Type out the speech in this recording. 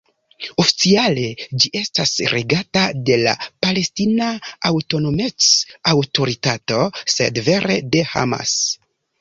Oficiale ĝi estas regata de la Palestina Aŭtonomec-Aŭtoritato, sed vere de Hamas.